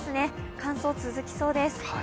乾燥が続きそうです。